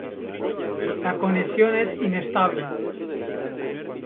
La conexión es inestable